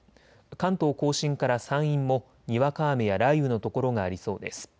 関東甲信から山陰もにわか雨や雷雨の所がありそうです。